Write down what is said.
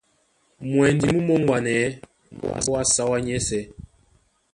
Mwɛndi mú mōŋgwanɛɛ́ mbóa á sáwá nyɛ́sɛ̄.